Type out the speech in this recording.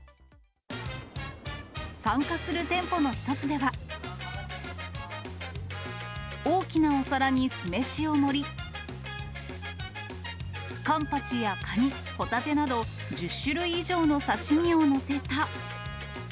参加する店舗の一つでは、大きなお皿に酢飯を盛り、カンパチやカニ、ホタテなど、１０種類以上の刺身を載せた。